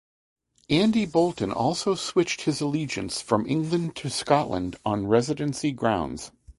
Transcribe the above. Andy Boulton also switched his allegiance from England to Scotland on residency grounds.